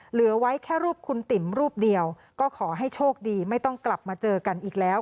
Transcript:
เหลือไว้แค่รูปคุณติ๋มรูปเดียวก็ขอให้โชคดีไม่ต้องกลับมาเจอกันอีกแล้ว